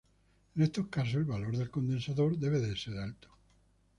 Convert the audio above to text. En estos casos el valor del condensador debe ser alto.